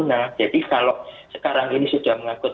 nah jadi kalau sekarang ini sudah mengangkut